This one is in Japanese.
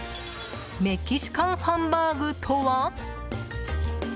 メキシカンハンバーグとは？